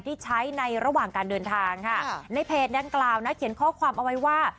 ที่ใช้ในระหว่างการเดินทางค่ะในเพจดังกล่าวนะเขียนข้อความเอาไว้ว่า